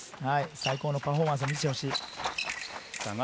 最高のパフォーマンスを見せてほしい。